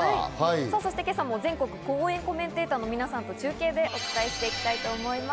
そして今日も全国応援コメンテーターの皆さんと中継でお伝えしていきたいと思います。